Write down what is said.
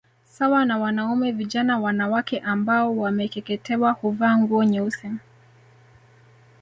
Sawa na wanaume vijana wanawake ambao wamekeketewa huvaa nguo nyeusi